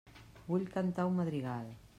Vull cantar un madrigal.